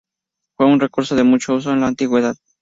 Fue un recurso de mucho uso en la antigüedad.